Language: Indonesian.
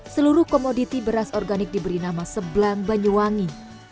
seluruh komoditi beras organik diberi nama seblang banyuwangi